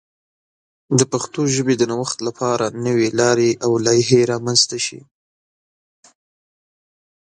د پښتو ژبې د نوښت لپاره نوې لارې او لایحې رامنځته شي.